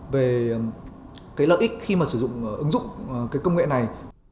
về lợi ích khi sử dụng công nghệ này